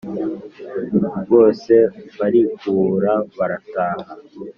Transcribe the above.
bose barikubura barataha.